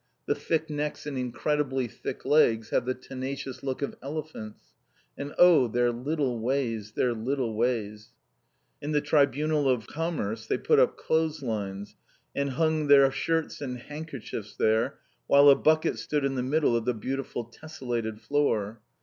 The thick necks and incredibly thick legs have the tenacious look of elephants. And oh, their little ways, their little ways! In the Salle Du Tribunal de Commerce they put up clothes lines, and hung their shirts and handkerchiefs there, while a bucket stood in the middle of the beautiful tesselated floor.